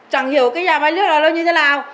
chẳng hiểu cái nhà máy nước đó lâu như thế nào